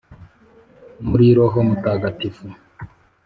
muri roho mutagatifu